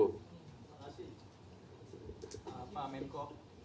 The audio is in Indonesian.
pak menteri komenko